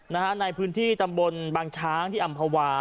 ในพื้นที่ตำบลบางช้างที่อำภาวา